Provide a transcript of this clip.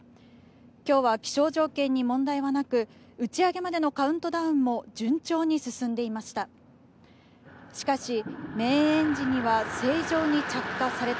今日は気象条件に問題はなく、打ち上げまでのカウントダウンも順調に進んでいました。